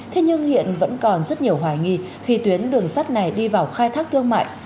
thế nhưng hiện vẫn còn rất nhiều hoài nghi khi tuyến đường sắt này đi vào khai thác thương mại